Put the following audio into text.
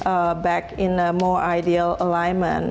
kembali ke dalam aliran yang lebih ideal